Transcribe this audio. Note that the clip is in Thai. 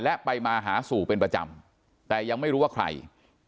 และไปมาหาสู่เป็นประจำแต่ยังไม่รู้ว่าใคร